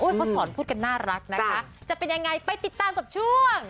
เขาสอนพูดกันน่ารักนะคะจะเป็นยังไงไปติดตามกับช่วง